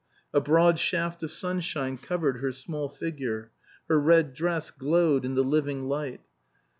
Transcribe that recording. A broad shaft of sunshine covered her small figure; her red dress glowed in the living light.